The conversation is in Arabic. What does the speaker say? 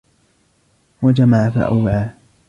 وجمع فأوعى